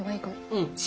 うん。